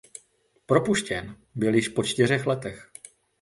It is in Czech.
Propuštěn byl již po čtyřech letech.